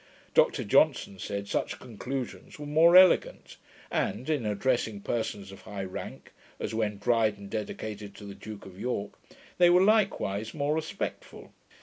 Dr Johnson said, such conclusions were more elegant, and, in addressing persons of high rank (as when Dryden dedicated to the Duke of York), they were likewise more respectful.